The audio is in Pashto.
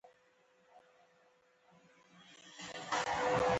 د امیر کروړ تر شعر وروسته د ابو محمد هاشم شعر دﺉ.